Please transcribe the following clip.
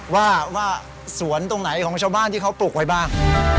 ว่าสวนตรงไหนของชาวบ้านที่เขาปลูกไว้บ้าง